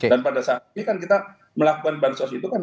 dan pada saat ini kan kita melakukan bansos itu kan